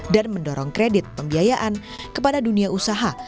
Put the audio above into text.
dan mendorong kredit pembiayaan kepada dunia usaha